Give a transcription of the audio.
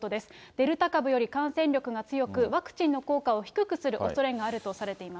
デルタ株より感染力が強く、ワクチンの効果を低くするおそれがあるとされています。